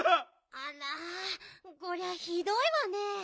あらこりゃひどいわね。